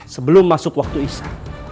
sebelum masuk waktu isa